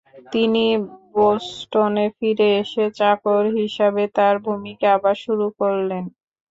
তিনি বোস্টনে ফিরে এসে চাকর হিসাবে তার ভূমিকা আবার শুরু করলেন।